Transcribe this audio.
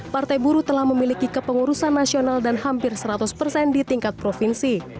partai buruh telah memiliki kepengurusan nasional dan hampir seratus persen di tingkat provinsi